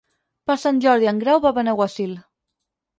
Per Sant Jordi en Grau va a Benaguasil.